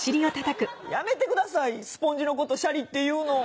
やめてくださいスポンジのことシャリって言うの。